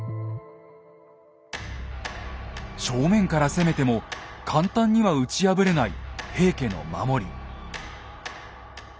正面から攻めても簡単には打ち破れない平家の守り。